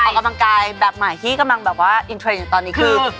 ออกกำลังกายแบบใหม่ที่กำลังแบบว่าอินเทรนด์อยู่ตอนนี้คือ